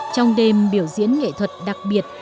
trong đêm biểu diễn nghệ thuật đặc biệt